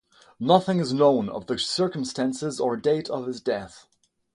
Nothing is known of the circumstances or date of his death.